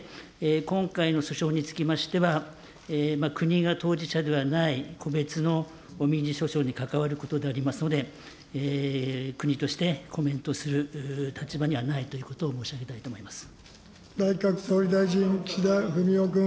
その上で、今回の訴訟につきましては、国が当事者ではない、個別の民事訴訟に関わることでありますので、国としてコメントする立場にはないということを申し上げたいと思います。